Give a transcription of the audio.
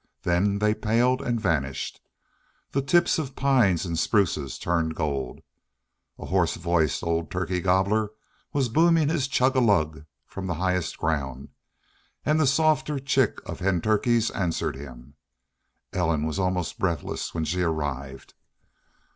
Then they paled and vanished. The tips of pines and spruces turned gold. A hoarse voiced old turkey gobbler was booming his chug a lug from the highest ground, and the softer chick of hen turkeys answered him. Ellen was almost breathless when she arrived.